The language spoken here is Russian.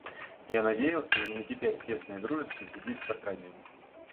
Я надеялся именно теперь тесно и дружески сойтись с Аркадием.